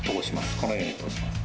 このように通します。